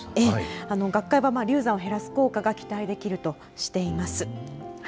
学会は流産を減らす効果が期待できるとしています。